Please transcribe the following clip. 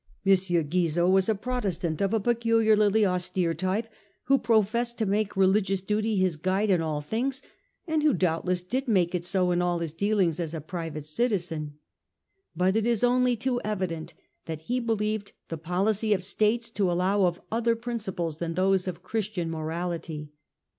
M. Guizot was a Protestant of a peculiarly austere type, who professed to make religious duty his guide in all things, and who doubtless did make it so in all his dealings as a private citizen. But it is only too evident that he believed the policy of states to allow of other principles than those of Christian morality.